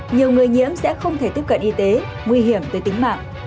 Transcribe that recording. nhiều người nhiễm sẽ không thể tiếp cận y tế nguy hiểm tới tính mạng